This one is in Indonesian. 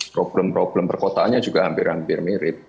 problem problem perkotaannya juga hampir hampir mirip